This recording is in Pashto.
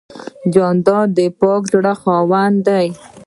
جانداد د پاک زړه خاوند دی.